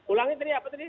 ulangi tadi apa tadi